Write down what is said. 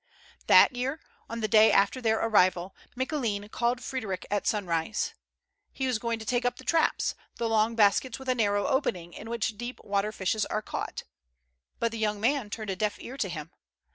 That year, on the day after their arrival, Micoulin called Frederic at sunrise. He was going to take up the traps, the long baskets with a narrow opening, in which deep water fishes are caught. But the young man turned a deaf ear to him.